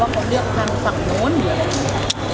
ว่าเขาเลือกทางฝั่งโน้นหรืออะไร